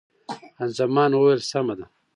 خان زمان وویل، سمه ده.